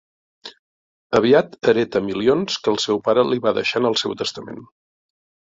Aviat hereta milions que el seu pare li va deixar en el seu testament.